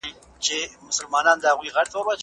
زه غواړم د بدن ټولو برخو ته طبیعي خوشبویه مواد وکاروم.